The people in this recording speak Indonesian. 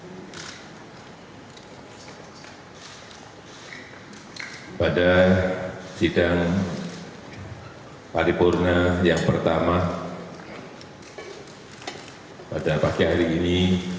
kepada sidang paripurna yang pertama pada pagi hari ini